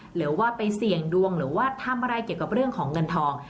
หรือว่าไปเสี่ยงดวงหรือว่าทำอะไรเกี่ยวกับเรื่องของเงินทอง